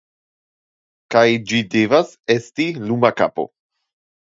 Kaj ĝi devas esti luma kapo.